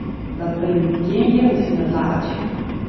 Dat bringt gjin jild yn it laadsje.